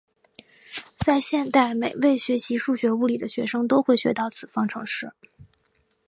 在现代每位学习数学物理的学生都会学到此方程式。